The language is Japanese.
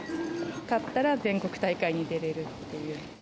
勝ったら全国大会に出れるっていう。